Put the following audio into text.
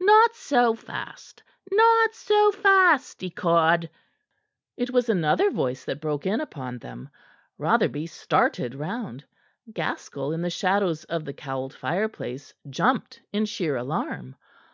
"Not so fast! Not so fast, ecod!" It was another voice that broke in upon them. Rotherby started round. Gaskell, in the shadows of the cowled fireplace jumped in sheer alarm.